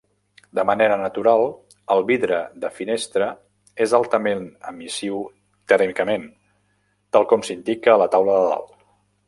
De manera natural, El vidre de finestra és altament emissiu tèrmicament, tal com s'indica a la taula de dalt.